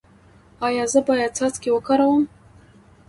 ایا زه باید څاڅکي وکاروم؟